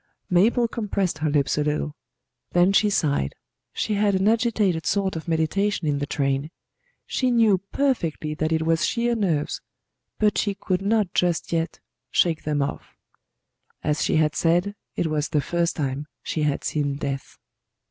Mabel compressed her lips a little; then she sighed. She had an agitated sort of meditation in the train. She knew perfectly that it was sheer nerves; but she could not just yet shake them off. As she had said, it was the first time she had seen death.